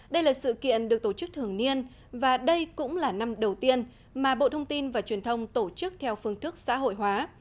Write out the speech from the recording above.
đây là sự kiện được tổ chức thường niên và đây cũng là năm đầu tiên mà bộ thông tin và truyền thông tổ chức theo phương thức xã hội hóa